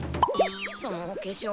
そのお化粧